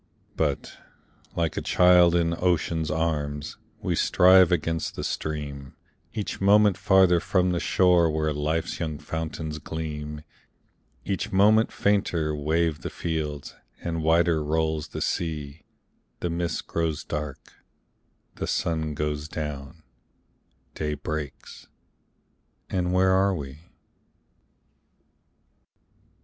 But, like a child in ocean's arms, We strive against the stream, Each moment farther from the shore Where life's young fountains gleam; Each moment fainter wave the fields, And wider rolls the sea; The mist grows dark, the sun goes down, Day breaks, and where are we?